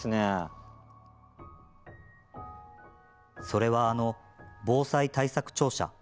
それはあの、防災対策庁舎。